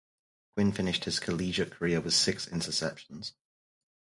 Quinn finished his collegiate career with six interceptions.